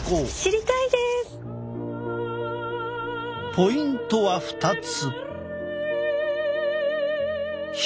ポイントは２つ。